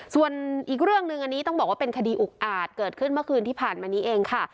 ส่วนอีกเรื่องหนึ่งอันนี้ต้องบอกว่าเป็นคดีอุกอาจเกิดขึ้นเมื่อคืนที่ผ่านมานี้เองค่ะ